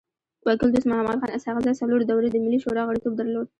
وکيل دوست محمد خان اسحق زی څلور دوري د ملي شورا غړیتوب درلود.